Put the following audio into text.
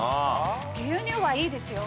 牛乳はいいですよ。